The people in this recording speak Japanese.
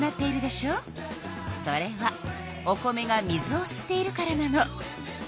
それはお米が水をすっているからなの。